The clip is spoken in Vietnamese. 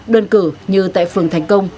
đơn cử như tại phường thành công